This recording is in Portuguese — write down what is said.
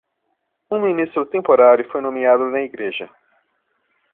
Um ministro temporário foi nomeado na igreja.